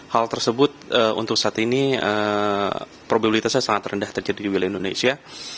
hal tersebut untuk saat ini probabilitasnya sangat rendah terjadi di wilayah indonesia